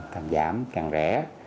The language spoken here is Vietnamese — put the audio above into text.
càng giảm càng rẻ